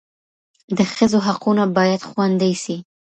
د ښځو حقونه باید خوندي سي.